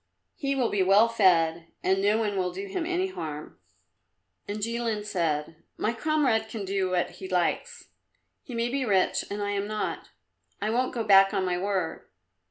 He will be well fed, and no one will do him any harm." And Jilin said, "My comrade can do what he likes. He may be rich, and I am not. I won't go back on my word.